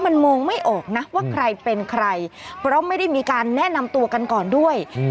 มันมองไม่ออกนะว่าใครเป็นใครเพราะไม่ได้มีการแนะนำตัวกันก่อนด้วย